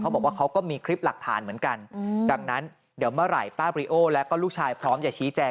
บอกว่าเขาก็มีคลิปหลักฐานเหมือนกันดังนั้นเดี๋ยวเมื่อไหร่ป้าบริโอแล้วก็ลูกชายพร้อมจะชี้แจง